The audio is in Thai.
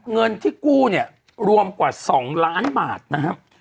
เงินที่กู้เนี่ยรวมกว่า๒ล้านบาทนะครับ